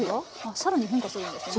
更に変化するんですね。